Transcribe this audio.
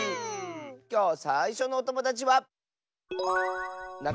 きょうさいしょのおともだちは。